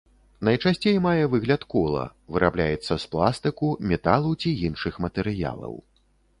Найчасцей мае выгляд кола, вырабляецца з пластыку, металу ці іншых матэрыялаў.